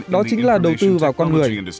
đó chính là đầu tư vào con người